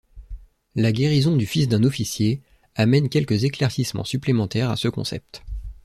La Guérison du fils d'un officier amène quelques éclaircissements supplémentaires à ce concept.